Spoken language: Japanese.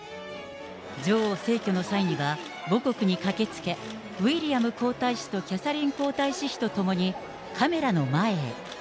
女王逝去の際には、母国に駆けつけ、ウィリアム皇太子とキャサリン皇太子妃と共に、カメラの前へ。